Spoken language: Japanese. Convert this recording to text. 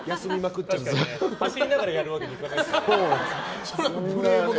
走りながらやるわけにいかないですもんね。